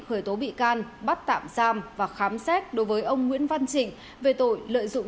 khởi tố bị can bắt tạm giam và khám xét đối với ông nguyễn văn trịnh về tội lợi dụng